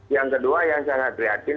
yang kedua yang sangat prihatin